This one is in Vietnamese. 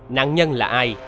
nạn nhân là ai